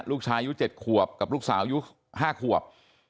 ลูกชายอายุ๗ขวบกับลูกสาวอายุ๕ขวบ